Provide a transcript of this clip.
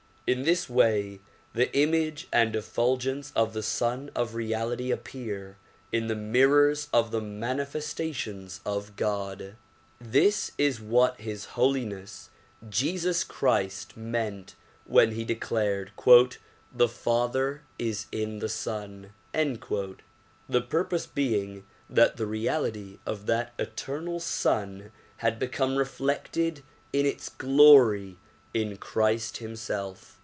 In this way the image and effulgence of the Sun of Reality appear in the mirrors of the manifestations of God. This is what His Holiness Jesus Christ meant when he declared the father is in the son," the purpose being that the reality of that eternal Sun had become reflected in its glory in Christ himself.